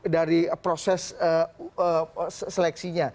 dari proses seleksinya